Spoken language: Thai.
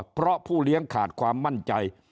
เพราะผู้เลี้ยงขาดความมั่นใจ